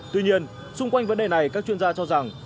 tuy nhiên xung quanh vấn đề này các chuyên gia cho rằng